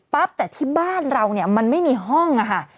ปั๊บแต่ที่บ้านเรามันไม่มีห้องนะคะ